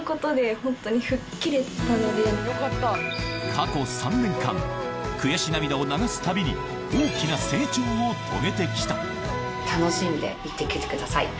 過去３年間悔し涙を流すたびに大きな成長を遂げてきたはい。